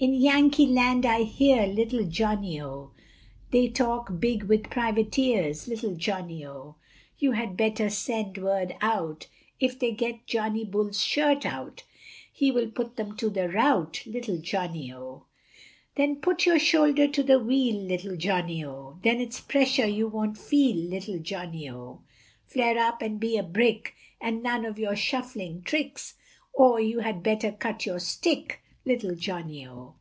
In Yankee Land, I hear, Little Johnny, O, They talk big with privateers, Little Johnny, O, You had better send word out, If they get Johnny Bull's shirt out, He will put them to the rout, Little Johnny, O. Then put your shoulder to the wheel, Little Johnny, O, Then it's pressure you won't feel, Little Johnny, O, Flare up and be a brick, And none of your shuffling tricks, Or you had better cut your stick, Little Johnny, O.